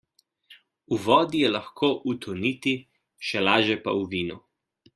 V vodi je lahko utoniti, še laže pa v vinu.